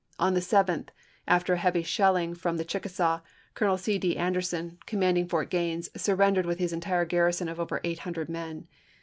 On the 7th, after a heavy shelling from the Chickasaiv, Colonel C. D. Anderson, commanding Fort Gaines, surrendered with his entire garrison of over 800 men.